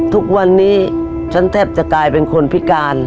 ทุกวันนี้ฉันแทบจะกลายเป็นคนพิการ